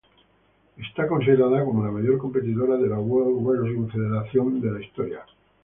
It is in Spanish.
Es considerada como la mayor competidora de la World Wrestling Federation en la historia.